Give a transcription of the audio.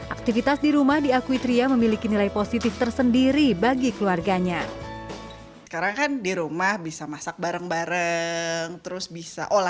aktivitas di rumah diakui tria memiliki nilai positif tersendiri bagi keluarganya